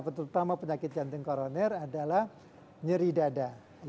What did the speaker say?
di tahap terutama penyakit jantung koroner adalah nyeri dada